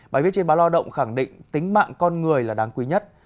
bài viết trên báo lao động khẳng định tính mạng con người là đáng quý nhất